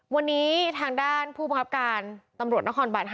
วันนี้ทางด้านผู้บังคับการตำรวจนครบาน๕